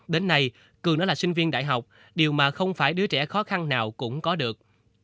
đến nay cường đã là sinh viên đại học điều mà không phải đứa trẻ khó khăn nào cũng có được